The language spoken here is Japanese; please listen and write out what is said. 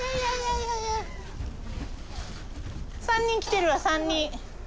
３人来てるわ３人。